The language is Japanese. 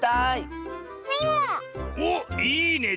おっいいね。